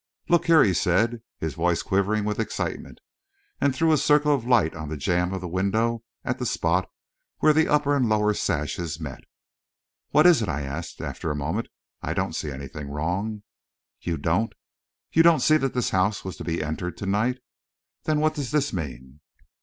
"Look there," he said, his voice quivering with excitement, and threw a circle of light on the jamb of the window at the spot where the upper and lower sashes met. "What is it?" I asked, after a moment. "I don't see anything wrong." "You don't? You don't see that this house was to be entered to night? Then what does this mean?"